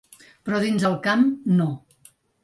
Però dins el camp, no.